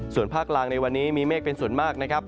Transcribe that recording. ส่วนภาคกลางในวันนี้มีเมฆเป็นส่วนมากนะครับ